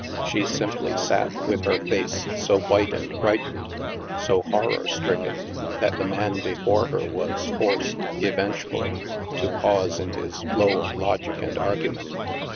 She simply sat with her face so white and frightened, so horror stricken, that the man before her was forced, event ually, to pause in his flow of logic and argument.